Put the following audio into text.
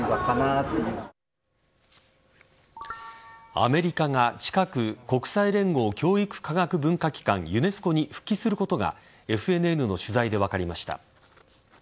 アメリカが、近く国際連合教育科学文化機関＝ユネスコに復帰することがＦＮＮの取材で分かりました。